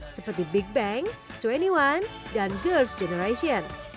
seperti big bang dua ne satu dan girls' generation